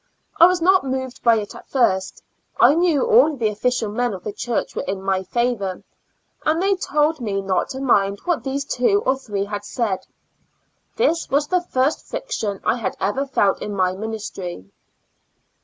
I was not moved by it at first ; I knew all the official men of the church were in my favor, and they told me not to mind what, these two or three had said. This was the first friction I had ever felt in my ministry.